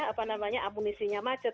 apa namanya abunisinya macet